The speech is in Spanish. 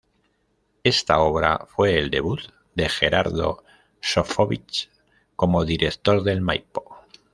Esta obra fue el debut de Gerardo Sofovich como director del Maipo.